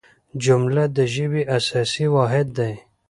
جمله د ژبي اساسي واحد دئ.